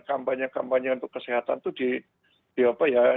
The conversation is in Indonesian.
kampanye kampanye untuk kesehatan itu